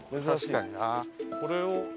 確かにな。